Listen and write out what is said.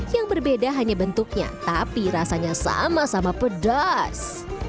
yang berbeda hanya bentuknya tapi rasanya sama sama pedas